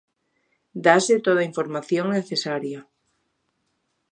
Dáse toda a información necesaria.